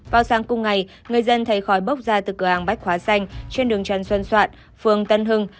vào sáng cùng ngày người dân thấy khói bốc ra từ cửa hàng bách hóa xanh trên đường trần xuân soạn phường tân hưng